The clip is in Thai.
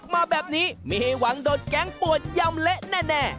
มาแบบนี้ไม่ให้หวังโดดแก๊งปวดยำเละแน่